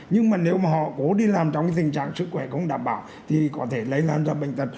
nhưng mà nếu mà họ cố đi làm trong cái tình trạng sức khỏe không đảm bảo thì có thể lấy làm cho bệnh tật